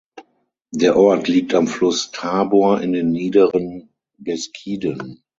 Der Ort liegt am Fluss Tabor in den Niederen Beskiden.